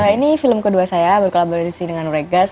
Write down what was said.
ini film kedua saya berkolaborasi dengan regas